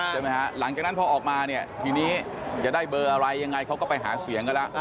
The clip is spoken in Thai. ใช่ไหมฮะหลังจากนั้นพอออกมาดีทีนี้จะได้เบลอไรอย่างไรเขาก็ไปหาเสียงกันละ